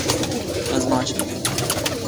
ez naçim